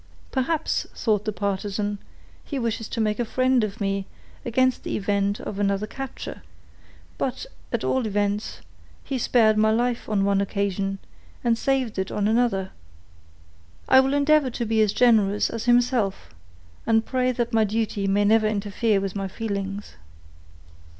"Perhaps," thought the partisan, "he wishes to make a friend of me against the event of another capture; but, at all events, he spared my life on one occasion, and saved it on another. I will endeavor to be as generous as himself, and pray that my duty may never interfere with my feelings."